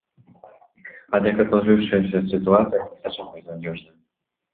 Однако сложившаяся ситуация не совсем безнадежная.